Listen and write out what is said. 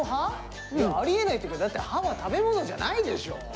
ありえないっていうかだって歯は食べ物じゃないでしょ。